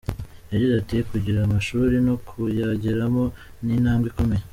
Yagize ati “Kugira amashuri no kuyageramo ni intambwe ikomeye.